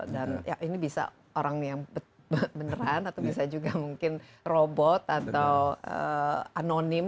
dan ini bisa orang yang beneran atau bisa juga mungkin robot atau anonim